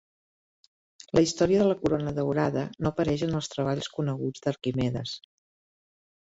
La història de la corona daurada no apareix en els treballs coneguts d'Arquimedes.